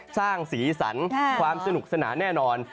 สร้างสีสันความสนุกสนานแน่นอน